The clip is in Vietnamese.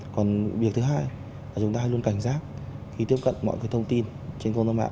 còn việc thứ hai là chúng ta luôn cảnh giác khi tiếp cận mọi cái thông tin trên khuôn mặt